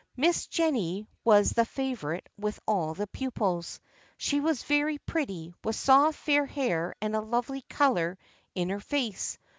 Miss Jennie was the favorite with all the pupils. She was very pretty, with soft fair hair and a lovely color in her face.